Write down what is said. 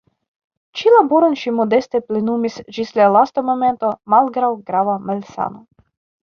Ĉi laboron ŝi modeste plenumis ĝis la lasta momento malgraŭ grava malsano.